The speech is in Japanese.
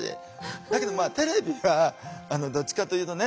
だけどテレビはどっちかというとね